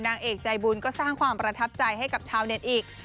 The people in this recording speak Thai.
นางเอกใจบุญก็สร้างความประทับใจให้กับชาวเน็ตอีก